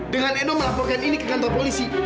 dengan eno melaporkan ini ke kantor polisi